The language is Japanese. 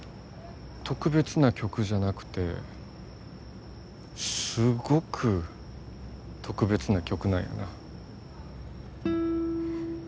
特別な曲じゃなくてすごく特別な曲なんやな。